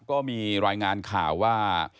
ก็มีรายงานข่าวว่า